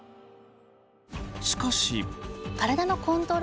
しかし。